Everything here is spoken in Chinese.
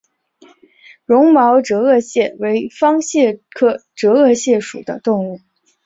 绒毛折颚蟹为方蟹科折颚蟹属的动物。